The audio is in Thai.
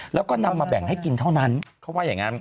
แล้วก็นำมาแบ่งให้กินเท่านั้นเขาว่าอย่างนั้น